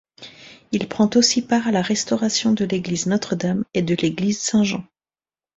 Il prend aussi part à la restauration de l'église Notre-Dame et de l'église Saint-Jean.